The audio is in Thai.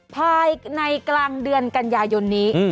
ภายในกลางเดือนกันยายนนี้